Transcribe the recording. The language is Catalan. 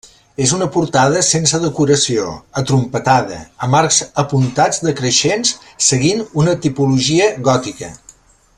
És una portada sense decoració, atrompetada, amb arcs apuntats decreixents, seguint una tipologia gòtica.